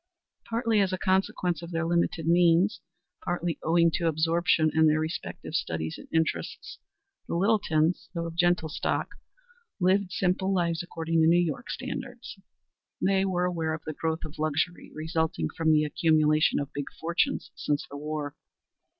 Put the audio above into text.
Partly as a consequence of their limited means, partly owing to absorption in their respective studies and interests, the Littletons, though of gentle stock, lived simple lives according to New York standards. They were aware of the growth of luxury resulting from the accumulation of big fortunes since the war.